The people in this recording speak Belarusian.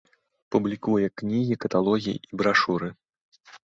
Публікуе кнігі, каталогі і брашуры.